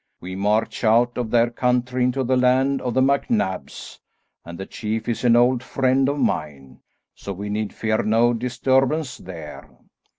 We march out of their country into the land of the MacNabs, and the chief is an old friend of mine, so we need fear no disturbance there.